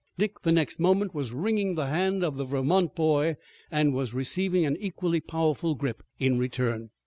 Dick the next moment was wringing the hand of the Vermont boy and was receiving an equally powerful grip in return.